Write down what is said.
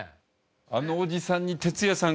あのおじさんに鉄矢さん